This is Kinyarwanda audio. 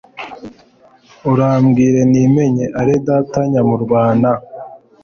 Urambwire nimenye Are data Nyamurwana,